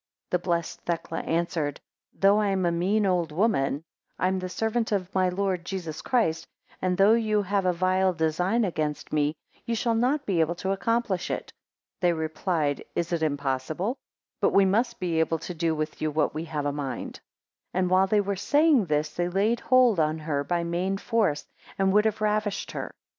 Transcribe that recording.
7 The blessed Thecla answered, Though I am a mean old woman, I am the servant of my Lord Jesus Christ; and though you have a vile design against me, ye shall not be able to accomplish it. They replied, Is it impossible? but we must be able to do with you what we have a mind, 8 And while they were saying this, they laid hold on her by main force, and would have ravished her.